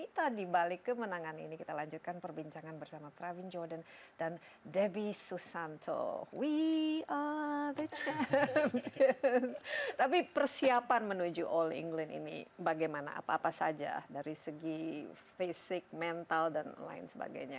tapi persiapan menuju all england ini bagaimana apa apa saja dari segi fisik mental dan lain sebagainya